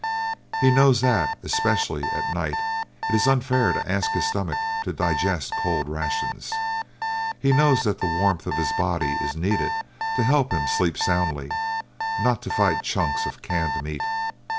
He knows that, especially at night, it is unfair to ask his stomach to digest cold rations. He knows that the warmth of his body is needed to help him to sleep soundly, not to fight chunks of canned meat.